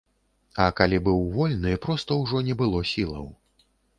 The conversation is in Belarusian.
А калі быў вольны, проста ўжо не было сілаў.